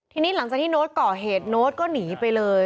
ทีนี้หลังจากที่โน้ตก่อเหตุโน้ตก็หนีไปเลย